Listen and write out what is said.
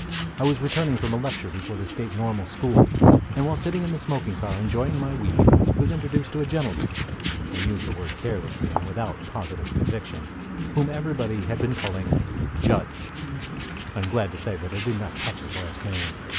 I was returning from a lecture before the State Normal School, and while sitting in the smoking car enjoying my weed was introduced to a gentleman (I use the word carelessly, and without positive conviction) whom everybody had been calling "Judge." I am glad to say that I did not catch his last name.